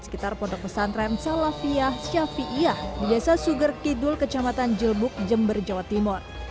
sekitar pondok pesantren salafiyah ⁇ syafiiyah di desa suger kidul kecamatan jilbuk jember jawa timur